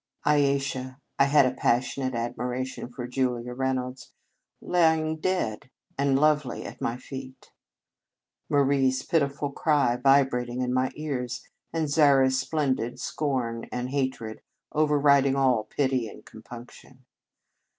Ayesha (I had a pas sionate admiration for Julia Rey nolds), lying dead and lovely at my feet; Marie s pitiful cry vibrating in my ears; and Zara s splendid scorn and hatred overriding all pity and compunction.